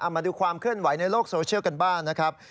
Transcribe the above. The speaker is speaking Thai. มาดูความเคลื่อนไหวในโลกโซเชียลกันบ้างนะครับ